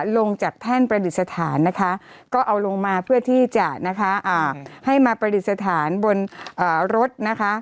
ลงจากแท่นประดิษฐานนะคะก็เอาลงมาเพื่อที่จะนะคะให้มาประดิษฐานบนรถนะคะ